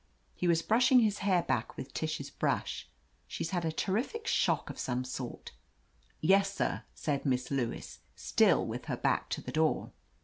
He was brushing his hair back with Tish's brush. "She's had a terrific shock of some sort." "Yes, sir," said Miss Lewis, still with her back to the door.